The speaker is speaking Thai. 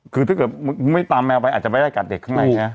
คือถ้าเกิดไม่ตามแมวไปอาจจะไม่ได้กัดเด็กข้างในนะ